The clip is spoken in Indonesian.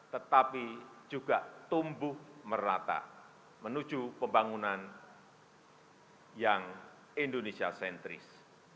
tetapi juga tumbuh merata menuju pembangunan yang indonesia sentris